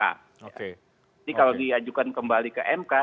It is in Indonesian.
jadi kalau diajukan kembali ke mk